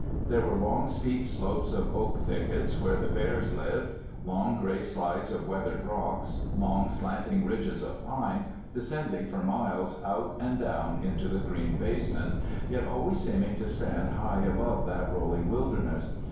There were long, steep slopes of oak thickets, where the bears lived, long gray slides of weathered rocks, long slanting ridges of pine, descending for miles out and down into the green basin, yet always seeming to stand high above that rolling wilderness.